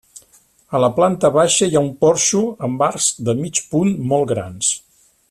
A la planta baixa hi ha un porxo amb arcs de mig punt molt grans.